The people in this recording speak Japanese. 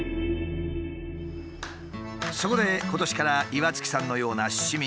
そこで今年から岩槻さんのような市民